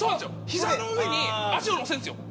ひざの上に足を乗せるんですよ。